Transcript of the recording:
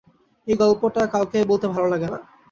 এই গল্পটা কাউকে বলতে ভালো লাগে না।